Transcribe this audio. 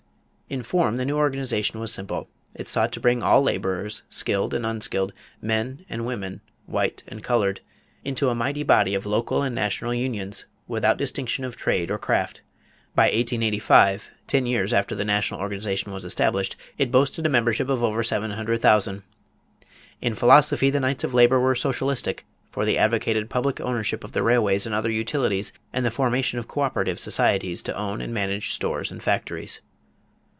In form the new organization was simple. It sought to bring all laborers, skilled and unskilled, men and women, white and colored, into a mighty body of local and national unions without distinction of trade or craft. By 1885, ten years after the national organization was established, it boasted a membership of over 700,000. In philosophy, the Knights of Labor were socialistic, for they advocated public ownership of the railways and other utilities and the formation of coöperative societies to own and manage stores and factories.